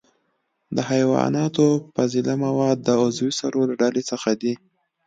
د حیواناتو فضله مواد د عضوي سرو له ډلې څخه دي.